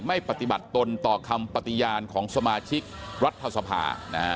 ไม่ปฏิบัติตนต่อคำปฏิญาณของสมาชิกรัฐสภา